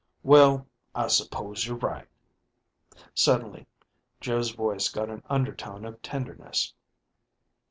"Well, I suppose you're right." Suddenly Joe's voice got an undertone of tenderness.